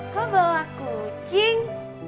kau bawa kucing